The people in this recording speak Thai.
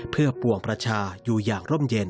เพื่อปวงประชาอยู่อย่างร่มเย็น